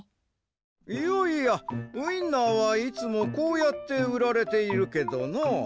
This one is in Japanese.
いやいやウインナーはいつもこうやってうられているけどなあ。